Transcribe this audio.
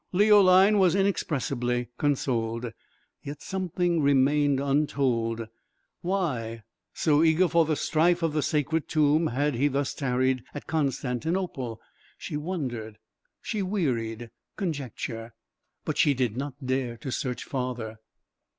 Leoline was inexpressibly consoled, yet something remained untold. Why, so eager for the strife of the sacred tomb had he thus tarried at Constantinople? She wondered, she wearied conjecture, but she did not dare to search farther.